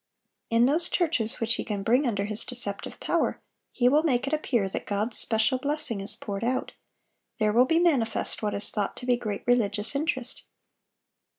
In those churches which he can bring under his deceptive power, he will make it appear that God's special blessing is poured out; there will be manifest what is thought to be great religious interest.